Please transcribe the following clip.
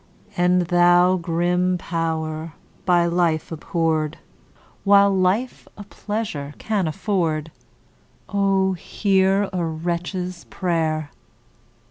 And thou grim Pow'r by life abhorr'd, While life a pleasure can afford, Oh! hear a wretch's pray'r!